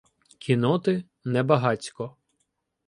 Кінноти - небагацько.